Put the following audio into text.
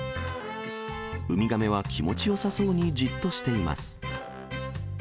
ウミガメは気持ちよさそうにじっとしています。